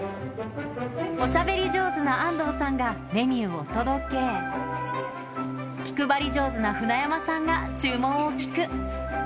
おしゃべり上手な安藤さんがメニューを届け、気配り上手な舟山さんが注文を聞く。